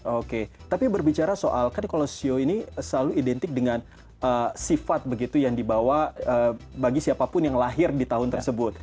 oke tapi berbicara soal kan kalau sio ini selalu identik dengan sifat begitu yang dibawa bagi siapapun yang lahir di tahun tersebut